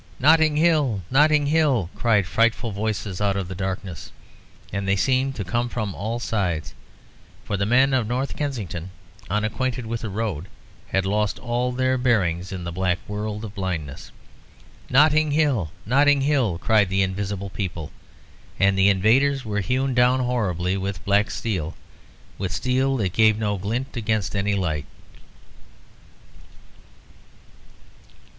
"Notting Hill! Notting Hill!" cried frightful voices out of the darkness, and they seemed to come from all sides, for the men of North Kensington, unacquainted with the road, had lost all their bearings in the black world of blindness. "Notting Hill! Notting Hill!" cried the invisible people, and the invaders were hewn down horribly with black steel, with steel that gave no glint against any light.